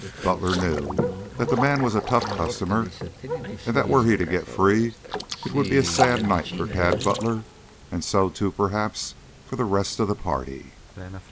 Butler knew that the man was a tough customer and that were he to get free it would be a sad night for Tad Butler, and so, too, perhaps, for the rest of the party.